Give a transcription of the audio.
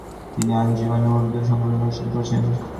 তিনি আঞ্জুমানে উর্দু সংগঠন প্রতিষ্ঠা করেছেন।